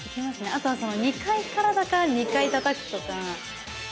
あとは２階からだから２回たたくとか。